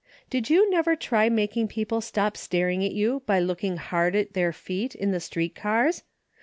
Did you never try making people stop staring at you by looking hard at their feet in the street cars?